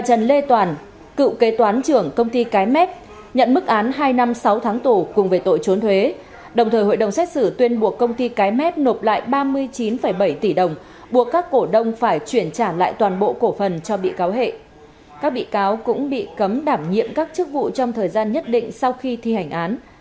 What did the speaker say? các bị cáo cũng bị cấm đảm nhiệm các chức vụ trong thời gian nhất định sau khi thi hành án